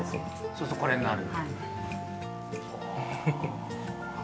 ◆そうすると、これになる。